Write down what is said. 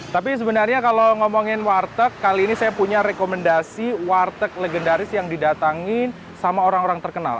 tapi sebenarnya kalau ngomongin warteg kali ini saya punya rekomendasi warteg legendaris yang didatangi sama orang orang terkenal